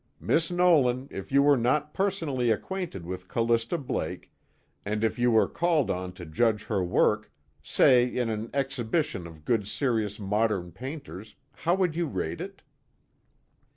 Miss Nolan, if you were not personally acquainted with Callista Blake, and if you were called on to judge her work, say in an exhibition of good serious modern painters, how would you rate it?"